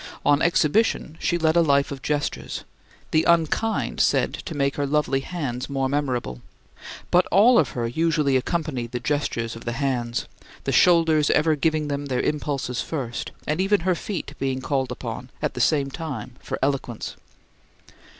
On exhibition she led a life of gestures, the unkind said to make her lovely hands more memorable; but all of her usually accompanied the gestures of the hands, the shoulders ever giving them their impulses first, and even her feet being called upon, at the same time, for eloquence.